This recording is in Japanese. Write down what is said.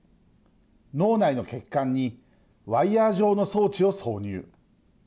脳内の血管にワイヤー状の装置を挿入。